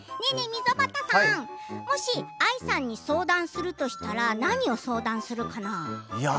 溝端さん、もしＡＩさんに相談するとしたら何を相談するかな？